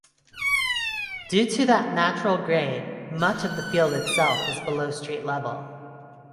Due to that natural grade, much of the field itself is below street level.